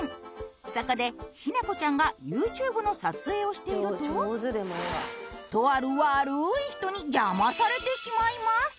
そこでしなこちゃんがＹｏｕＴｕｂｅの撮影をしているととある悪い人に邪魔されてしまいます。